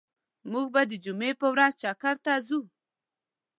موږ به د جمعی په ورځ چکر ته ځو